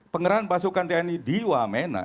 pengerahan pasukan tni di wamena